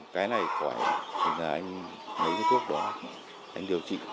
cái này khỏi thì là anh lấy cái thuốc đó anh điều trị